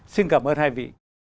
xin cảm ơn hai vị